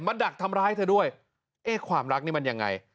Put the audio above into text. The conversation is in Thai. ดักทำร้ายเธอด้วยเอ๊ะความรักนี่มันยังไง